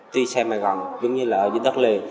tuy xem gần giống như là ở dưới đất liền